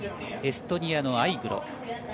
エストニアのアイグロ。